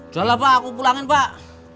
jalan pak aku pulangin pak